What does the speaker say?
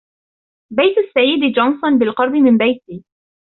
بيت السيد جونسون بالقرب من بيتي.